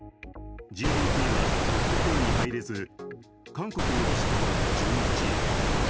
ＧＤＰはトップ１０には入れず、韓国より下の１１位。